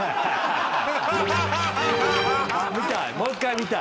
見たい。